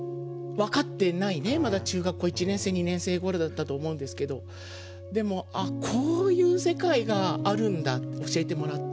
まだ中学校１年生２年生ごろだったと思うんですけどでもああこういう世界があるんだって教えてもらって。